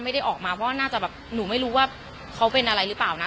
ไม่ได้ออกมาเพราะว่าน่าจะแบบหนูไม่รู้ว่าเขาเป็นอะไรหรือเปล่านะ